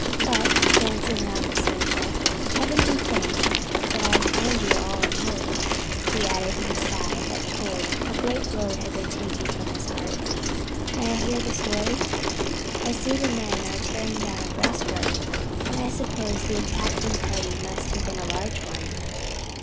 "But" glancing around the circle "heaven be thanked that I find you all unhurt," he added with a sigh that told that a great load had been taken from his heart. "May I hear the story? I see the men are tearing down a breastwork and I suppose the attacking party must have been a large one."